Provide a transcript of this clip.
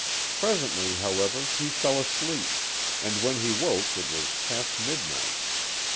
Presently, however, he fell asleep, and when he woke it was past midnight.